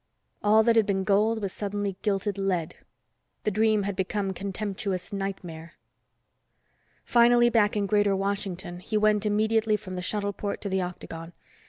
All that had been gold, was suddenly gilted lead. The dream had become contemptuous nightmare. Finally back in Greater Washington, he went immediately from the shuttleport to the Octagon.